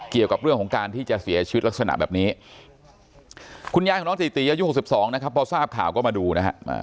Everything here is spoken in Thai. เกี่ยวกับเรื่องของการที่จะเสียชีวิตลักษณะแบบนี้คุณยายของน้องตีตีอายุ๖๒นะครับพอทราบข่าวก็มาดูนะฮะ